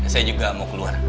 saya juga mau keluar